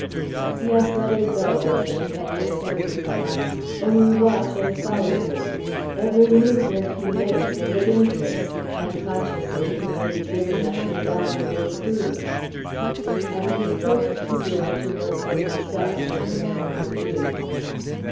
"Yes, let him go," was the detective's quick reply. "Only watch and follow him. Every movement he makes is of interest. Unconsciously he may be giving us invaluable clews." And he approached the door to note for himself what the man might do.